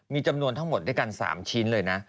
มีจำนวนทั้งหมดด้วยกัน๓ชิ้นเลยนะ